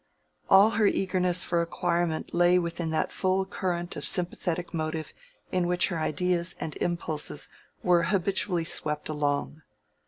All her eagerness for acquirement lay within that full current of sympathetic motive in which her ideas and impulses were habitually swept along.